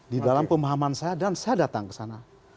di dalam pemahaman saya dan saya datang ke sana